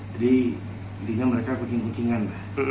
jadi intinya mereka keking kekingan